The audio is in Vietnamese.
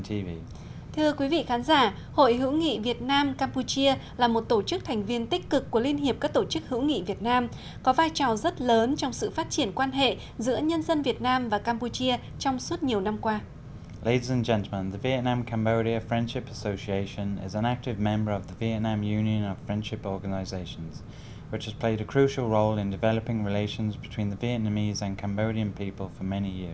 thưa quý vị khán giả hội hữu nghị việt nam campuchia là một tổ chức thành viên tích cực của liên hiệp các tổ chức hữu nghị việt nam có vai trò rất lớn trong sự phát triển quan hệ giữa nhân dân việt nam và campuchia trong suốt nhiều năm qua